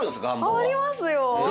ありますよ。